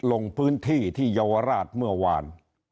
ลงพื้นที่ที่เยาวราชเมื่อวาน